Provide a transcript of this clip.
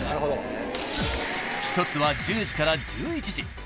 ［一つは１０時から１１時］